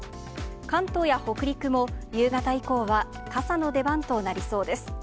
関東や北陸も夕方以降は傘の出番となりそうです。